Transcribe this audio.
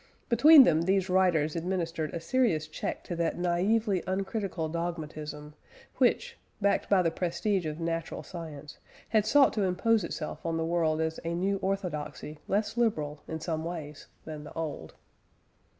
Between them these writers administered a serious check to that naively uncritical dogmatism which, backed by the prestige of natural science, had sought to impose itself on the world as a new orthodoxy less liberal, in some ways, than the old.